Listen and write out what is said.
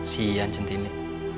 si ian cintinnya